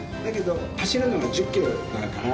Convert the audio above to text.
走るのが１０キロだから、